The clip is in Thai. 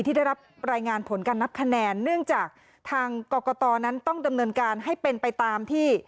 ที่ได้รับรายงานผลการนับคะแนนเนื่องจากทางกรกตนั้นต้องดำเนินการให้เป็นไปตามที่